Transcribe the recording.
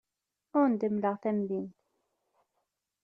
Ad awen-d-mleɣ tamdint.